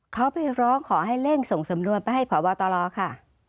เขาไปร้องขอให้เร่งส่งสำนวนไปให้พบตรค่ะ